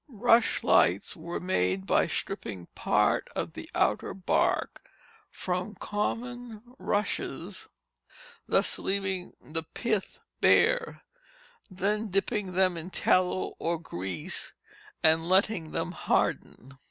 Rushlights were made by stripping part of the outer bark from common rushes, thus leaving the pith bare, then dipping them in tallow or grease, and letting them harden.